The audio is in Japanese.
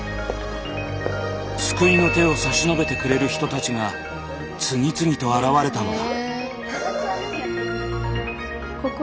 救いの手を差し伸べてくれる人たちが次々と現れたのだ。